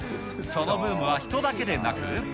そのブームは人だけでなく。